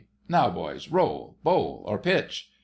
Now, boys, roll, bowl, or pitch